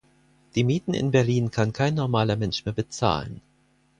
Die Mieten in Berlin kann kein normaler Mensch mehr bezahlen.